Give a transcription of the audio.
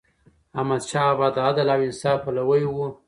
احمدشاه بابا د عدل او انصاف پلوی و.